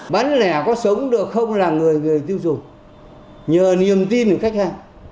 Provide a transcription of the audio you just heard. bán lẻ có sống được không là người người tiêu dùng nhờ niềm tin của khách hàng